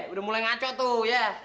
udah mulai ngaco tuh ya